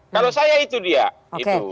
kalau saya itu dia itu